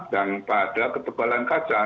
dan pada ketebalan kaca